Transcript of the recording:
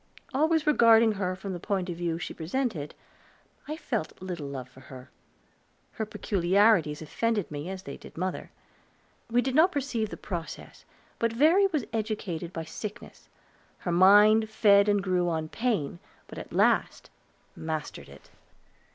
Always regarding her from the point of view she presented, I felt little love for her; her peculiarities offended me as they did mother. We did not perceive the process, but Verry was educated by sickness; her mind fed and grew on pain, and at last mastered it.